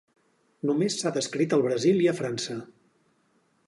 Només s'ha descrit al Brasil i a França.